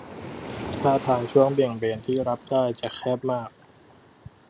ท่าทางช่วงเบี่ยงเบนที่รับได้ จะแคบมาก